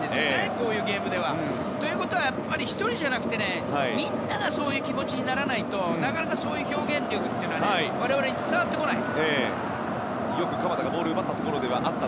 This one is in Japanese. こういうゲームは。ということは１人じゃなくてみんながそういう気持ちにならないとなかなか、そういう表現力我々に伝わってこない。